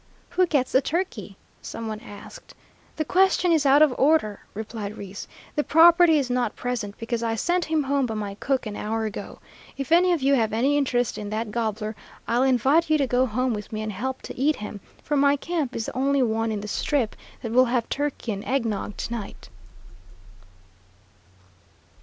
"Who gets the turkey?" some one asked. "The question is out of order," replied Reese. "The property is not present, because I sent him home by my cook an hour ago. If any of you have any interest in that gobbler, I'll invite you to go home with me and help to eat him, for my camp is the only one in the Strip that will have turkey and egg nog to night."